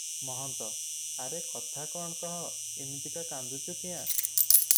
ମହନ୍ତ- ଆରେ କଥା କଣ କହ, ଇମିତିକାଟା କାନ୍ଦୁଛୁ କ୍ୟାଁ?